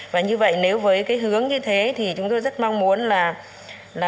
và như vậy nếu với cái hướng như thế thì chúng tôi rất mong muốn là